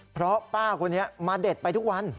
เพราะป้าคนนี้มาเด็ดไปทุกวัน